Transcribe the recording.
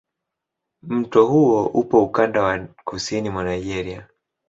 Mto huo upo ukanda wa kusini mwa Nigeria.